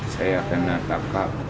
saya kena takap